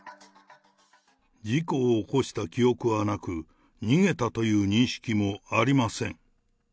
事故を起こした記憶はなく、逃げたという認識もありません。